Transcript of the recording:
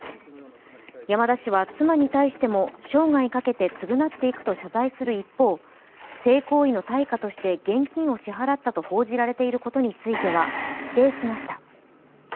山田氏は、妻に対しても生涯かけて償っていくと謝罪する一方、性行為の対価として現金を支払ったと報じられたことについては否定しました。